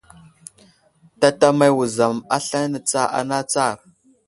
Tatamay wuzam aslane tsa ana atsar !